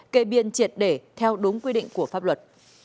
kê biên triệt để theo đúng quy định của pháp luật